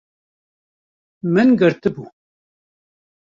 Min girtibû